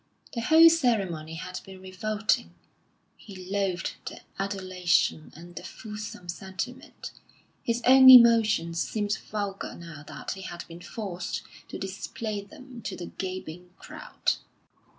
The whole ceremony had been revolting; he loathed the adulation and the fulsome sentiment. His own emotions seemed vulgar now that he had been forced to display them to the gaping crowd.